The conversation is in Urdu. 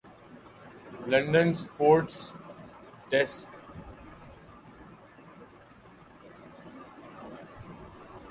لندنسپورٹس ڈیسکا